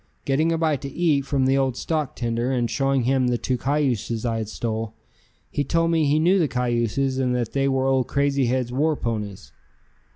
Getting a bite to eat from the old stock tender and showing him the two cayuses I had stole, he told me he knew the cayuses and that they were old Crazy Head's war ponies.